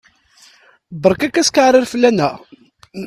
Berka-k askeɛrer fell-aneɣ!